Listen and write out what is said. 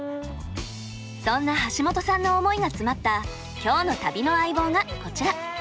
そんな橋本さんの思いが詰まった今日の旅の相棒がこちら。